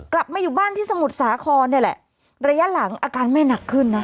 กลับมาอยู่บ้านที่สมุทรสาครเนี่ยแหละระยะหลังอาการไม่หนักขึ้นนะ